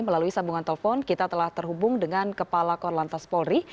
melalui sambungan telepon kita telah terhubung dengan kepala korlantas polri